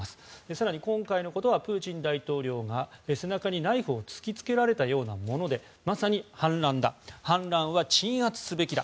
更に、今回のことはプーチン大統領が背中にナイフを突きつけられたようなものでまさに反乱だ反乱は鎮圧すべきだ。